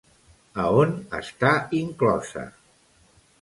A on està inclosa?